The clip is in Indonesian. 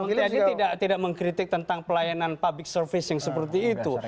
pak pilih perwong t a d tidak mengkritik tentang pelayanan public service yang seperti itu